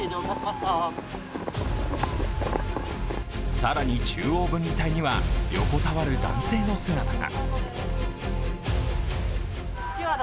更に中央分離帯には横たわる男性の姿が。